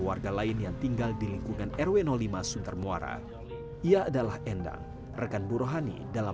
warga lain yang tinggal di lingkungan rw lima suntar muara ia adalah endang rekan bu rohani dalam